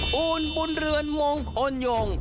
คุณบุญเรือนมงคลยง